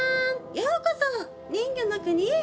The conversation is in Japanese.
ようこそ人魚の国へ！